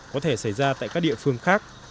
có thể xảy ra tại các địa phương khác